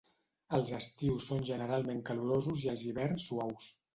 Els estius són generalment calorosos i els hiverns suaus.